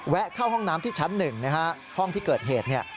แวะเข้าห้องน้ำที่ชั้น๑ห้องที่เกิดเหตุ